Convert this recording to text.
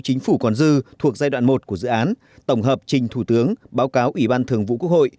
chính phủ còn dư thuộc giai đoạn một của dự án tổng hợp trình thủ tướng báo cáo ủy ban thường vụ quốc hội